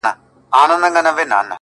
چاته يادي سي كيسې په خـامـوشۍ كــي،